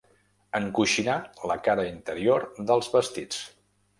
Encoixinar la cara interior dels vestits.